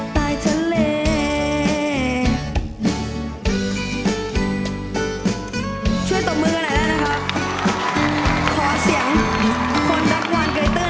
ตายเฉลี่ย